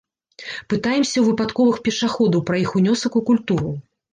Пытаемся ў выпадковых пешаходаў пра іх унёсак у культуру.